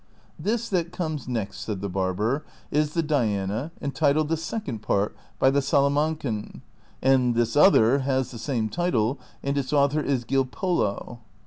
"This that comes next," said the barber, "is the 'Diana,' entitled the ' Second Part, by the Salamancan,' and this other has the same title, and its author is Gil Polo."